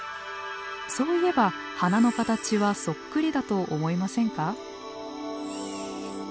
そういえば鼻の形はそっくりだと思いませんか？